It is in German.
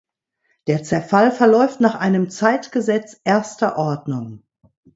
Der Zerfall verläuft nach einem Zeitgesetz erster Ordnung.